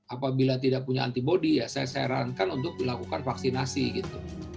apabila tidak punya antibody ya saya sarankan untuk dilakukan vaksinasi gitu